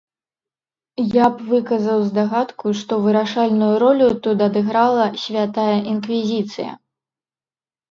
Я б выказаў здагадку, што вырашальную ролю тут адыграла святая інквізіцыя.